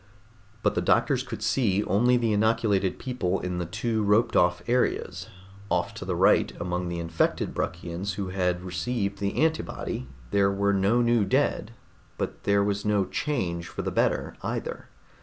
But the doctors could see only the inoculated people in the two roped off areas. Off to the right among the infected Bruckians who had received the antibody there were no new dead but there was no change for the better, either.